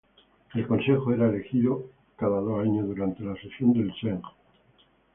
El consejo era elegido cada dos años durante la sesión del "Sejm".